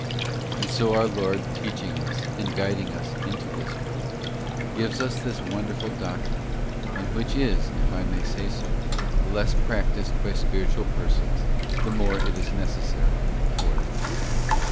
And so our Lord teaching us, and guiding us into this road, gives us this wonderful doctrine, and which is, if I may so say, the less practised by spiritual persons the more it is necessary for them.